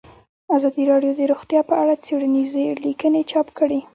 ازادي راډیو د روغتیا په اړه څېړنیزې لیکنې چاپ کړي.